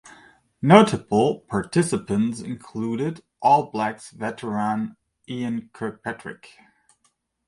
Notable participants included All Blacks veteran Ian Kirkpatrick.